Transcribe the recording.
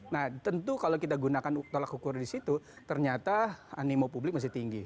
nah tentu kalau kita gunakan tolak ukur di situ ternyata animo publik masih tinggi